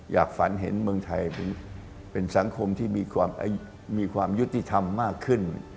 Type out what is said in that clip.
ฝันเห็นเมืองไทยเป็นสังคมที่มีความยุติธรรมมากขึ้น